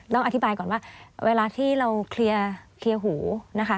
อธิบายก่อนว่าเวลาที่เราเคลียร์หูนะคะ